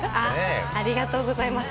ありがとうございます。